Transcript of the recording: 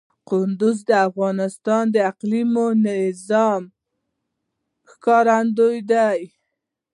کندهار د افغانستان د اقلیمي نظام ښکارندوی ده.